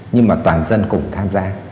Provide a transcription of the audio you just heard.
nhưng mà toàn dân cùng tham gia